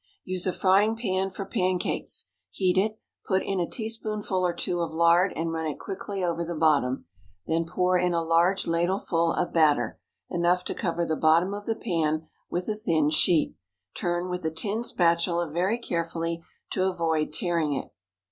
Use a frying pan for pancakes; heat it; put in a teaspoonful or two of lard and run it quickly over the bottom; then pour in a large ladleful of batter—enough to cover the bottom of the pan with a thin sheet. Turn with a tin spatula, very carefully, to avoid tearing it.